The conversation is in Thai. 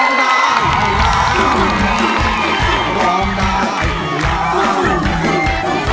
และมูลค่าสี่หมื่นบาท